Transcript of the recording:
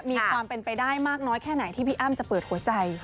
มีความเป็นไปได้มากน้อยแค่ไหนที่พี่อ้ำจะเปิดหัวใจ